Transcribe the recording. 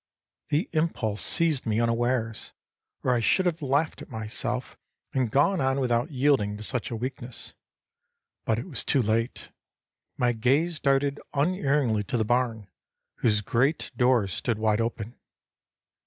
The impulse seized me unawares, or I should have laughed at myself and gone on without yielding to such a weakness. But it was too late. My gaze darted unerringly to the barn, whose great doors stood wide open.